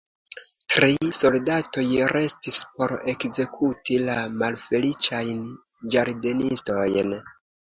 Tri soldatoj restis por ekzekuti la malfeliĉajn ĝardenistojn.